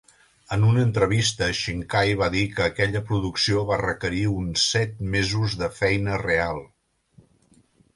En una entrevista, Shinkai va dir que aquella producció va requerir uns set mesos de "feina real".